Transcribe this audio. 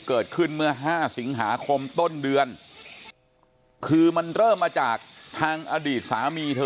เกิดขึ้นเมื่อห้าสิงหาคมต้นเดือนคือมันเริ่มมาจากทางอดีตสามีเธอ